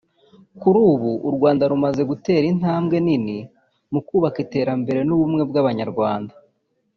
Kuri ubu u Rwanda rumaze gutera intambwe nini mu kubaka iterambere n’ubumwe bw’Abanyarwanda